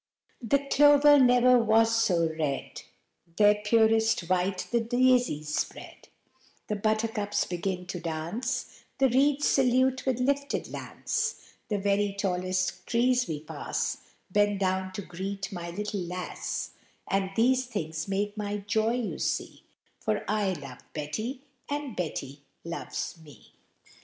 The clover never was so red, Their purest white the daisies spread, The buttercups begin to dance, The reeds salute with lifted lance, The very tallest trees we pass Bend down to greet my little lass; And these things make my joy, you see, For I love Betty, and Betty loves me!